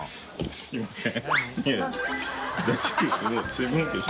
すみません。